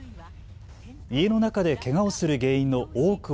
家の中でけがをする原因の多くを